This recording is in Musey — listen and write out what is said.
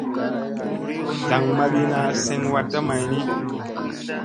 Zlaŋmagina seŋ watta may ni.